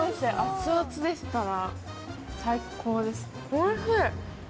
おいしい！